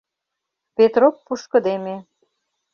— Петроп пушкыдеме.